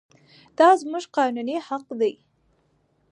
دا زموږ قانوني حق دی.